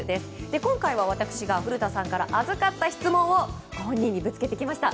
今回は私が、古田さんから預かった質問をご本人にぶつけてきました。